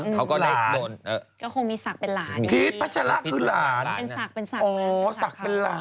เข้าใจคำนี้ตระกูลนี้เขาเยอะมาก